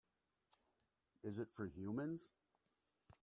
Is it for humans?